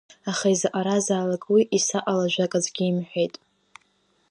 Аха иза-ҟаразаалак уи исаҟала жәак аӡәгьы имҳәеит.